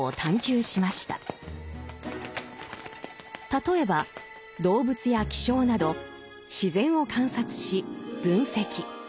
例えば動物や気象など自然を観察し分析。